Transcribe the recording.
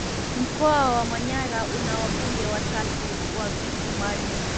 Mkoa wa Manyara una wabunge watatu wa Viti Maalum